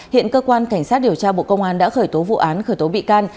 hiện cơ quan cảnh sát điều tra bộ công an đã khởi tố vụ án khởi tố bị can